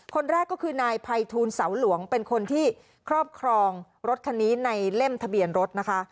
คนแรกก็คือนายภัยทูลเสาหลวงเป็นคนที่ครอบครองรถคันนี้ในเล่มทะเบียนรถนะคะ